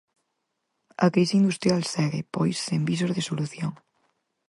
A crise industrial segue, pois, sen visos de solución.